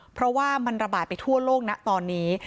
เพราะว่ามันระบาดไปทั่วโลกนะตอนนี้